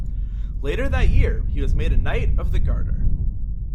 Later that year he was made a Knight of the Garter.